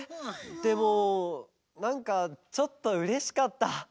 でもなんかちょっとうれしかった。